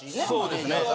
そうですね。